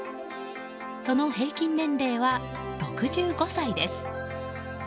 その平均年齢は６５歳です。